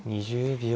２０秒。